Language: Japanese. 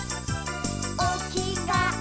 「おきがえ